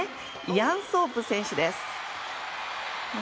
イアン・ソープ選手です。